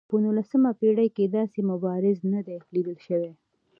په نولسمه پېړۍ کې داسې مبارز نه دی لیدل شوی.